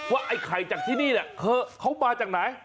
ไอ้ไข่จากที่นี่เขามาจากไหน